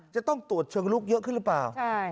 จะต้องตรวจเชิงลุกเยอะขึ้นหรือเปล่า